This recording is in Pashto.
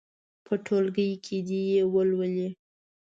په ټولګي کې دې یې ولولي.